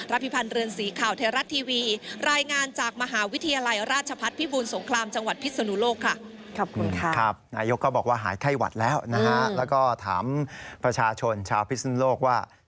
รัฐพิพันธ์เรือนสีข่าวแถวรัฐทีวีรายงานจากมหาวิทยาลัยราชพัฒน์พิบูลสงครามจังหวัดพิศนุโลก